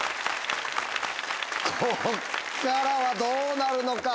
こっからはどうなるのか？